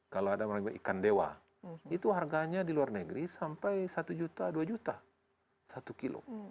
kalau ada ikan dewa itu harganya di luar negeri sampai satu juta dua juta satu kilo